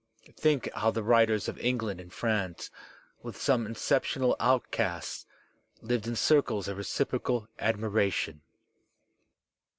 Think how the writers of England and France, with some exceptional outcasts, Kved in circles of reciprocal admiration.